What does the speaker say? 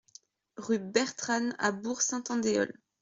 Rue Bertranne à Bourg-Saint-Andéol